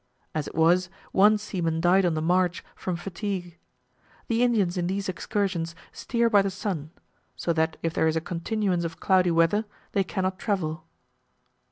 As it was, one seaman died on the march, from fatigue. The Indians in these excursions steer by the sun; so that if there is a continuance of cloudy weather, they can not travel.